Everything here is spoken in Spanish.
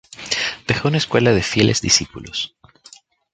Dejó una escuela de fieles discípulos.